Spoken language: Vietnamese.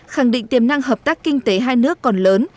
khẳng định tiềm năng hợp tác kinh tế hai nước còn lớn